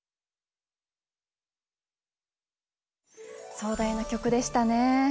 壮大な曲でしたね。